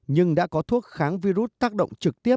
nhưng đã có thuốc kháng virus tác động trực tiếp